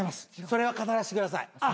それは語らしてください。